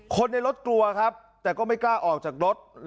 คนในรถกลัวครับแต่ก็ไม่กล้าออกจากรถ